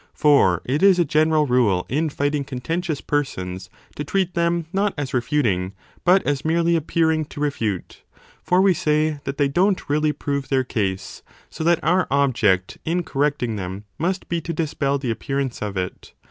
For it is a general rule in fighting contentious persons, to treat them not as refuting, but as merely appearing to 35 refute : for we say that they don t really prove their case, so that our object in correcting them must be to dispel the appearance of it.